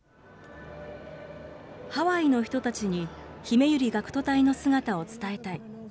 ハワイの人たちにひめゆり学徒隊の姿を伝えたい。